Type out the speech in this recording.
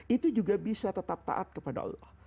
itu juga bisa tetap taat kepada allah